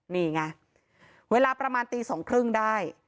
นี่ไงเวลาประมาณตีสองครึ่งได้